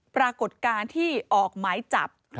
ปรากฏการณ์ที่ออกหมายจับ